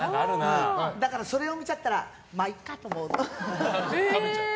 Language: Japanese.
だから、それを見ちゃったらまあいっかって思っちゃった。